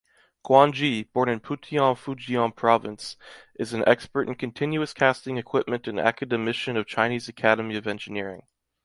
Guan Jie, born in Putian, Fujian Province, is an expert in continuous casting equipment and academician of Chinese Academy of Engineering.